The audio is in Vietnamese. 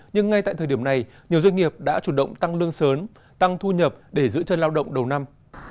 nhưng ngay tại thời điểm này nhiều doanh nghiệp đã chủ động tăng lương sớm tăng thu nhập để giữ chân lao động đầu năm